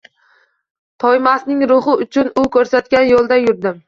Toymasning ruhi uchun u ko‘rsatgan yo‘ldan yurdim